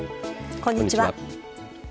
こんにちは。